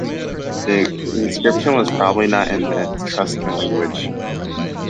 The inscription was probably not in the Etruscan language.